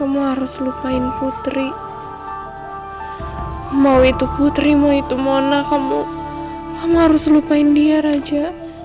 mau itu putri mau itu mona kamu harus lupain dia raja